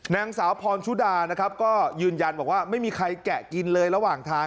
นางสาวพรชุดานะครับก็ยืนยันบอกว่าไม่มีใครแกะกินเลยระหว่างทาง